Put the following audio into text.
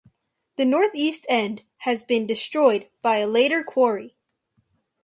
The northeast end has been destroyed by a later quarry.